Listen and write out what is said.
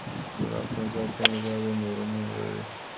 دماغ پنځه اتیا ملیارده نیورون لري.